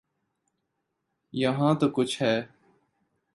یہاں تو کچھ ہے۔